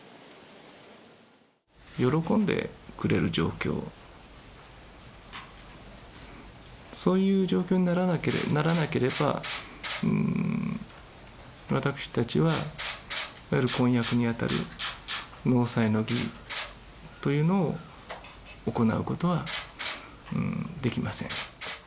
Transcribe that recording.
喜んでくれる状況、そういう状況にならなければ、私たちはいわゆる婚約に当たる納采の儀というのを行うことはできません。